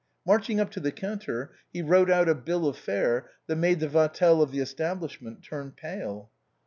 March ing up to the counter, he wrote out a bill of fare that made the Vatel of the establishment turn pale.